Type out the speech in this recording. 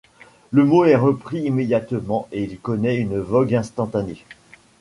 Le mot est repris immédiatement et il connaît une vogue instantanée.